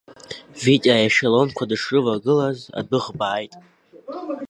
Витиа аешелонқәа дышрывагылаз, адәыӷба ааит.